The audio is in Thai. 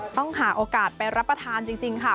ต้องหาโอกาสไปรับประทานจริงค่ะ